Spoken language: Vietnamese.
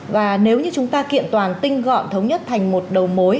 và nếu như chúng ta kiện toàn tinh gọn thống nhất thành một đầu mối